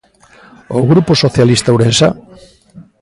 O grupo socialista ourensá.